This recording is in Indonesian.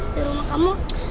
di rumah kamu